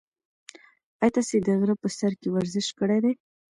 ایا تاسي د غره په سر کې ورزش کړی دی؟